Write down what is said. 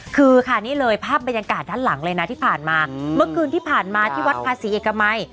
คือค่ะนี่เลยภาพบรรยากาศด้านหลังเลยนะที่ผ่านมาเมื่อคืนที่ผ่านมาที่วัดภาษีเอกมัย